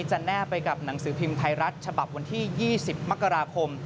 แนบไปกับหนังสือพิมพ์ไทยรัฐฉบับวันที่๒๐มกราคม